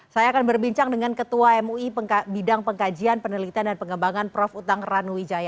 saya akan berbincang dengan ketua mui bidang pengkajian penelitian dan pengembangan prof utang ranuwijaya